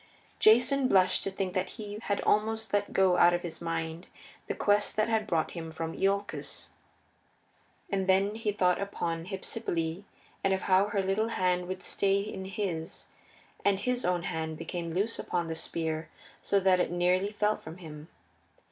Jason blushed to think that he had almost let go out of his mind the quest that had brought him from Iolcus. And then he thought upon Hypsipyle and of how her little hand would stay in his, and his own hand became loose upon the spear so that it nearly fell from him.